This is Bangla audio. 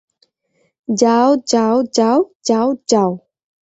যাও, যাও, যাও, যাও, যাও!